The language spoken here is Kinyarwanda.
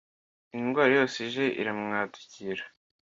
indwara yose ije iramwadukira